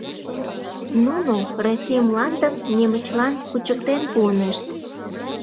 Нуно Россий мландым немычлан кучыктен пуынешт...